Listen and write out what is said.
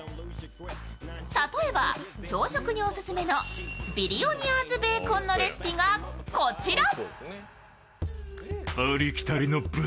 例えば、朝食におすすめのビリオニアーズ・ベーコンのレシピがこちら。